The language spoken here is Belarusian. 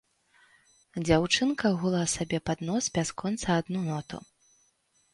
Дзяўчынка гула сабе пад нос бясконца адну ноту.